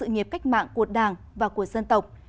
nghiệp cách mạng của đảng và của dân tộc